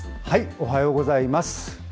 おはようございます。